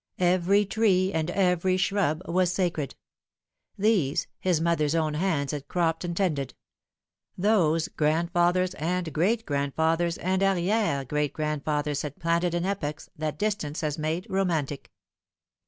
Every tree and every shrub was sacred. These, his mother's own hands had cropped and tended ; those, grandfathers and great grandfathers and arriere great grand fathers had planted in epochs that distance has made romantic.